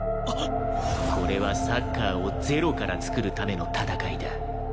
これはサッカーを０から創るための戦いだ。